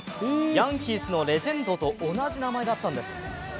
ヤンキースのレジェンドと同じ名前だったんです。